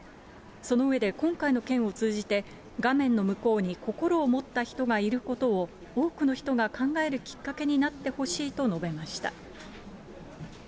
その上で今回の件を通じて、画面の向こうに心を持った人がいることを、多くの人が考えるきっかけになってほしいと述べました。